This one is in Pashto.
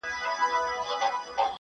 نو دي ولي بنده کړې؛ بیا د علم دروازه ده,